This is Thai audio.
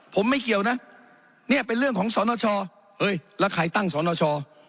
ผมไม่เกี่ยวนะเนี่ยเป็นเรื่องของสนชเฮ้ยแล้วใครตั้งสนช